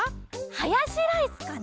ハヤシライスかな！